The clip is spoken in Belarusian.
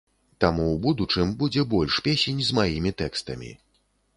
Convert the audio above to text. Таму ў будучым будзе больш песень з маімі тэкстамі.